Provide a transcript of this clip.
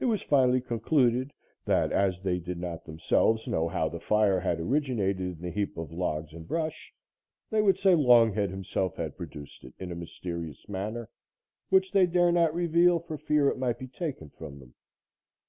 It was finally concluded that, as they did not themselves know how the fire had originated in the heap of logs and brush, they would say Longhead himself had produced it in a mysterious manner, which they dare not reveal for fear it might be taken from them.